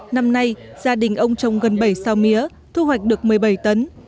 năm nay gia đình ông trồng gần bảy sao mía thu hoạch được một mươi bảy tấn